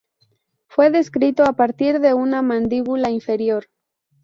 Fue descrito a partir de una mandíbula inferior.